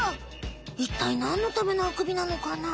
いったい何のためのあくびなのかな？